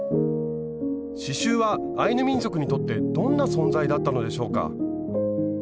刺しゅうはアイヌ民族にとってどんな存在だったのでしょうか？